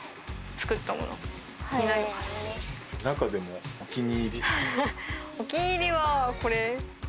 なかでもお気に入りはこれ。